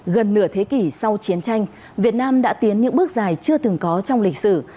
gần nửa thế kỷ sau chiến tranh việt nam đã tiến những bước dài chưa từng có trong lịch sử